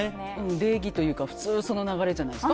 礼儀というか普通その流れじゃないですか。